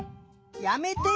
やめてよ！